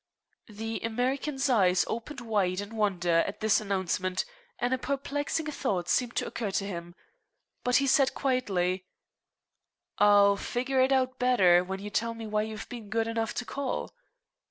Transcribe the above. The American's eyes opened wide in wonder at this announcement, and a perplexing thought seemed to occur to him. But he said quietly: "I'll figure it out better when you tell me why you've been good enough to call.